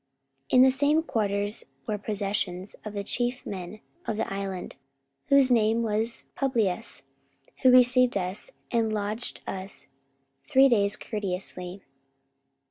44:028:007 In the same quarters were possessions of the chief man of the island, whose name was Publius; who received us, and lodged us three days courteously.